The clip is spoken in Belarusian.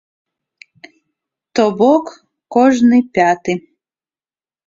То бок, кожны пяты.